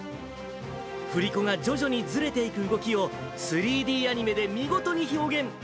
振り子が徐々にずれていく動きを、３Ｄアニメで見事に表現。